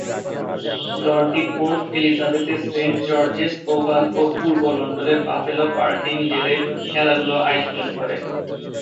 দলটি পোর্ট এলিজাবেথের Saint George's Oval ও পূর্ব লন্ডনের বাফেলো পার্কে নিজেদের খেলাগুলো আয়োজন করে।